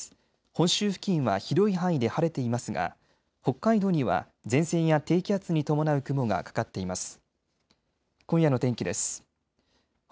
本州付近は広い範囲で晴れていますが北海道には前線や低気圧に伴う雲がかかっています。